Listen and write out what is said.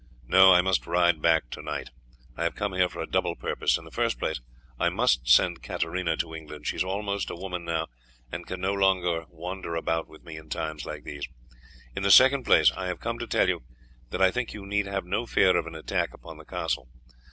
"No, I must ride back tonight. I have come here for a double purpose. In the first place I must send Katarina to England; she is almost a woman now, and can no longer wander about with me in times like these. In the second place, I have come to tell you that I think you need have no fear of an attack upon the castle.